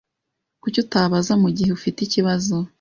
Kuki utabaza mugihe ufite ikibazo?